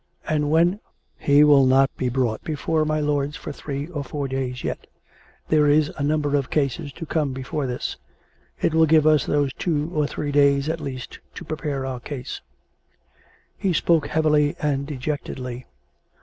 "And when "" He will not be brought before my lords for three or four days yet. There is a number of cases to come before his. It will give us those two or three days, at least, to prepare our case." He spoke heavily and dejectedly.